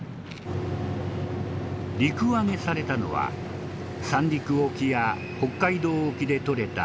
陸揚げされたのは三陸沖や北海道沖で捕れた